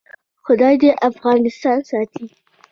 خدای دې افغانستان ساتي